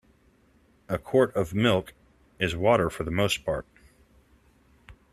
A quart of milk is water for the most part.